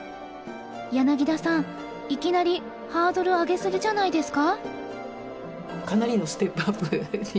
柳田さんいきなりハードル上げ過ぎじゃないですか？